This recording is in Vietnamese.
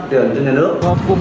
tiền trên đất nước